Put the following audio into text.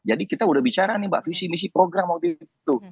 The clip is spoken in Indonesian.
kita udah bicara nih mbak visi misi program waktu itu